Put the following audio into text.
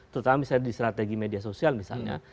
terutama misalnya di strategi media sosial misalnya